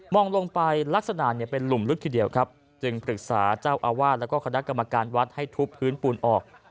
ลงไปลักษณะเนี่ยเป็นหลุมลึกทีเดียวครับจึงปรึกษาเจ้าอาวาสแล้วก็คณะกรรมการวัดให้ทุบพื้นปูนออก